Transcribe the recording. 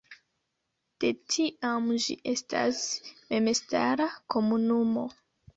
De tiam ĝi estas memstara komunumo.